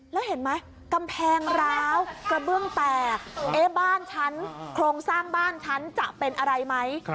แล้วเห็นไหมกำแพงร้าวกระเบื้องแตกเอ๊ะบ้านฉันโครงสร้างบ้านฉันจะเป็นอะไรไหม